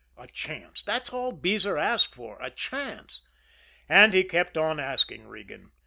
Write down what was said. A chance that's all Beezer asked for a chance. And he kept on asking Regan.